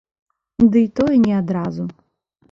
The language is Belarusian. Дый тое не адразу.